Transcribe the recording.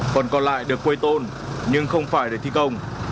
phần còn lại được quây tôn nhưng không phải để thi công